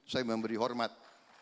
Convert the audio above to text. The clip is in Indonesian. saya memberi hormat